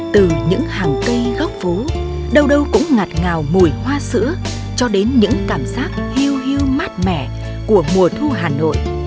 từ những hàng cây gốc phố đâu đâu cũng ngặt ngào mùi hoa sữa cho đến những cảm giác hưu hưu mát mẻ của mùa thu hà nội